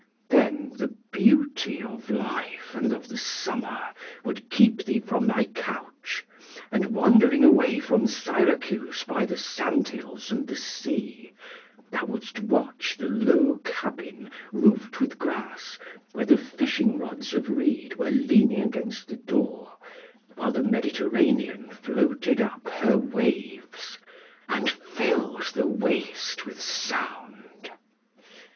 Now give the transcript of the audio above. Then the beauty of life and of the summer would keep thee from thy couch, and wandering away from Syracuse by the sandhills and the sea, thou wouldst watch the low cabin, roofed with grass, where the fishing rods of reed were leaning against the door, while the Mediterranean floated up her waves, and filled the waste with sound.